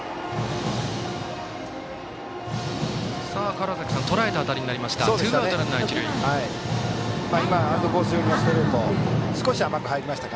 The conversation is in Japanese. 川原崎さん、とらえた当たりになりました。